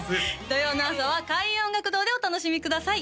土曜の朝は開運音楽堂でお楽しみください